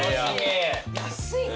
安いね。